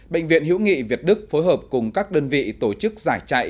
bệnh viện hữu nghị việt đức phối hợp cùng các đơn vị tổ chức giải chạy